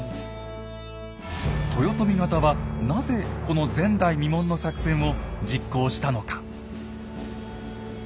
豊臣方はなぜこの前代未聞の作戦を実行したのか。